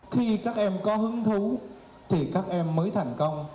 khi các em có hứng thú thì các em mới thành công